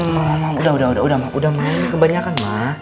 ma ma ma udah udah udah ma udah ma ini kebanyakan ma